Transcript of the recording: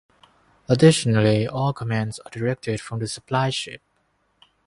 Additionally, all commands are directed from the supply ship.